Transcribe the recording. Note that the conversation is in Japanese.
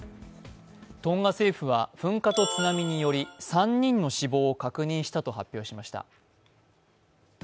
トンガ政府は噴火と津波により３人の死亡を確認したと発表しました。